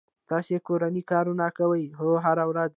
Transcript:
تاسو کورنی کارونه کوئ؟ هو، هره ورځ